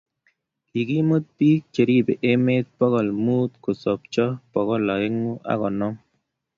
Kigimut biko cheribe emet boko l muut, kosobcho bokol aengu ago konom--